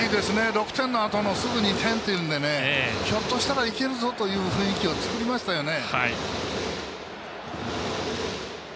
６点のあとのすぐ２点というのでひょっとしたらいけるぞという雰囲気を作りましたよね。